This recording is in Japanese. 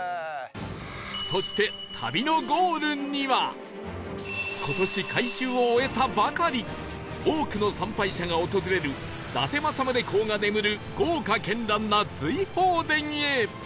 そして今年改修を終えたばかり多くの参拝者が訪れる伊達政宗公が眠る豪華絢爛な瑞鳳殿へ